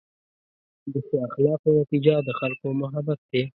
د ښه اخلاقو نتیجه د خلکو محبت دی.